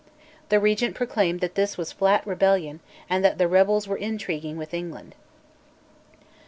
The Regent proclaimed that this was flat rebellion, and that the rebels were intriguing with England.